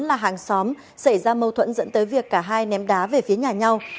là hàng xóm xảy ra mâu thuẫn dẫn tới việc cả hai ném đá về phía nhà nhau